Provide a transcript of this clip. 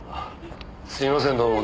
すいませんどうも。